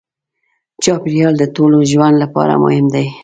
چاپېریال د ټولو ژوند لپاره مهم دی.